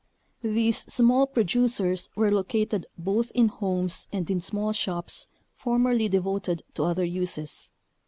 These small producers were located both in homes and in small shops formerly devoted to other uses.